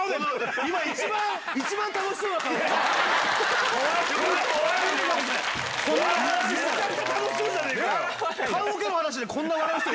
今、一番楽しそうな顔してる。